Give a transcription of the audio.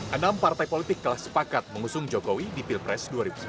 enam partai politik telah sepakat mengusung jokowi di pilpres dua ribu sembilan belas